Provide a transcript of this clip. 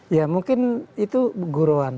ya mungkin itu guruan